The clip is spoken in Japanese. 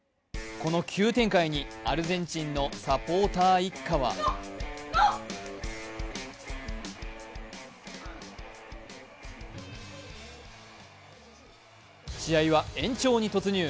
この急展開にアルゼンチンのサポーターの一家は試合は延長に突入。